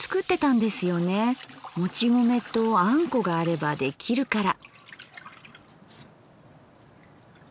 もち米とあんこがあればできるから。